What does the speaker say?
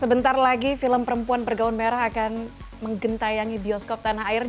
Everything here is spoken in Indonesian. sebentar lagi film perempuan bergaun merah akan menggentayangi bioskop tanah air